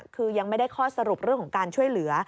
คือยังไม่ได้ข้อสรุปเรื่องของการช่วยเหลือ